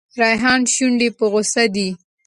ریحان شونډو په غوسه دی.